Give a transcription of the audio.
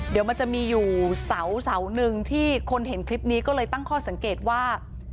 เดี๋ยวมันจะมีอยู่เสาหนึ่งที่คนเห็นคลิปนี้ก็เลยตั้งข้อสังเกตว่า